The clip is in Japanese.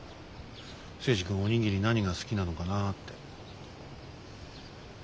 征二君お握り何が好きなのかなって。